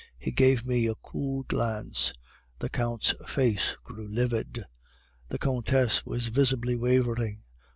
He gave me a cool glance. The Count's face grew livid. The Countess was visibly wavering.